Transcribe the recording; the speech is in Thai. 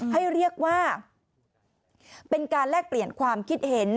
ให้เรียกว่าเป็นการแลกเปลี่ยนความคิดเห็น